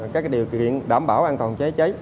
các điều kiện đảm bảo an toàn cháy cháy